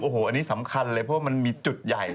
โอ้โหอันนี้สำคัญเลยเพราะว่ามันมีจุดใหญ่